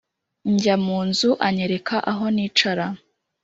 Njya mu nzu anyereka aho nicara